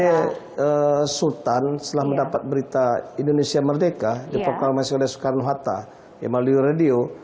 ini sultan setelah mendapat berita indonesia merdeka di proklamasi oleh soekarno hatta ya melalui radio